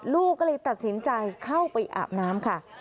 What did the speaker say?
ลูกก็เลยตัดสินใจเข้าไปอาบน้ำค่ะ